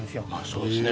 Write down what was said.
そうですね